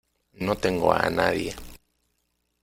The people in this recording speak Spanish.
no tengo a nadie.